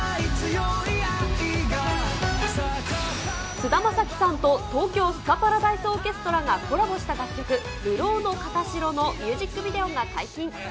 菅田将暉さんと東京スカパラダイスオーケストラがコラボした楽曲、るろうの形代のミュージックビデオが解禁。